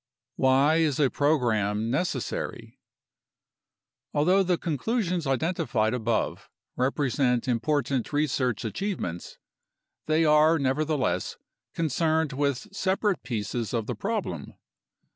Why Is a Program Necessary? Although the conclusions identified above represent important research achievements, they are nevertheless concerned with separate pieces of the problem.